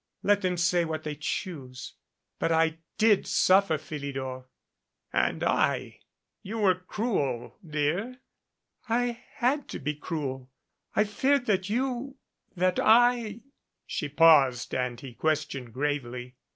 Let them say what they choose. But I did suffer, Philidor." "And I. You were cruel, dear." "I had to be cruel. I feared that you that I " She paused and he questioned gravely.